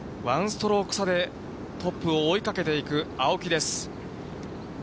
１ストローク差でトップを追いかけていく青木です。